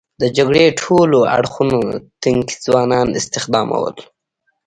د جګړې ټولو اړخونو تنکي ځوانان استخدامول.